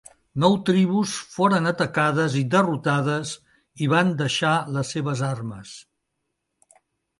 Nou tribus foren atacades i derrotades i van deixar les seves armes.